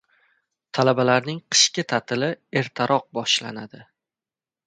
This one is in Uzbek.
Talabalarning qishki ta’tili ertaroq boshlanadi